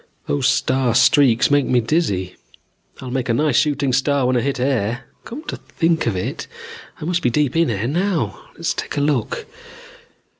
Those star streaks made me dizzy. I'll make a nice shooting star when I hit air. Come to think of it, I must be deep in air now. Let's take a look.